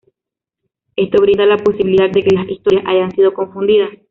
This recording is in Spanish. Esto brinda la posibilidad de que las historias hayan sido confundidas.